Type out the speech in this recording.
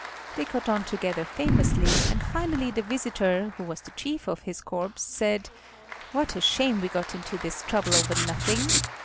They got on together famously, and finally the visitor, who was the chief of his corps, said, "What a shame we got into this trouble over nothing.